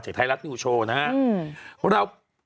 จากไทยรัฐนิวโชว์นะฮะ